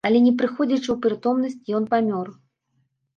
Але не прыходзячы ў прытомнасць ён памёр.